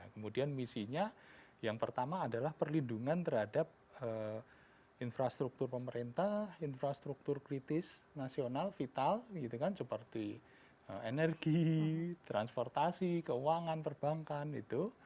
kemudian misinya yang pertama adalah perlindungan terhadap infrastruktur pemerintah infrastruktur kritis nasional vital gitu kan seperti energi transportasi keuangan perbankan itu